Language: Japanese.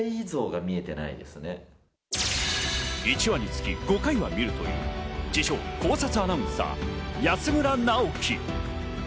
１話につき５回は見るという自称、考察アナウンサー・安村直樹。